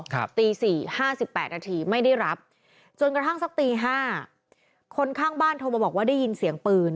ครับตี๔๕๘นาทีไม่ได้รับจนกระทั่งสักตี๕คนข้างบ้านโทรมาบอกว่าได้ยินเสียงปืน